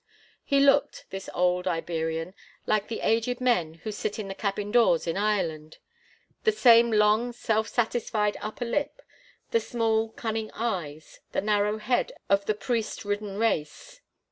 He looked, this old Iberian, like the aged men who sit in the cabin doors in Ireland; the same long, self satisfied upperlip, the small, cunning eyes, the narrow head of the priest ridden race.